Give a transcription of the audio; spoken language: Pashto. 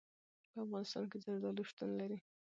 په افغانستان کې زردالو شتون لري.